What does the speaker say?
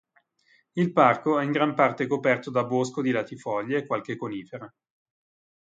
Il parco è in gran parte coperto da bosco di latifoglie e qualche conifera.